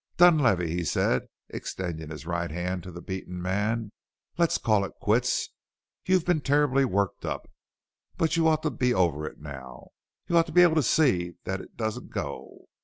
"Dunlavey," he said, extending his right hand to the beaten man, "let's call it quits. You've been terribly worked up, but you ought to be over it now. You ought to be able to see that it doesn't go.